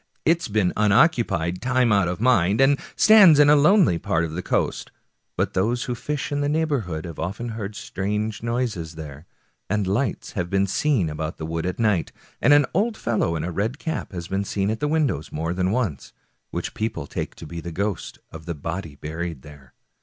It's been unoccu pied time out of mind, and stands in a lonely part of the coast, but those who fish in the neighborhood have often heard strange noises there, and lights have been seen about the wood at night, and an old fellow in a red cap has been seen at the windows more than once, which people take to be the ghost of the body buried there.